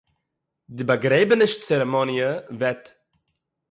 די באַגרעבעניש-צערעמאָניע וועט